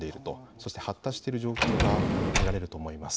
そして発達している状況が見られると思います。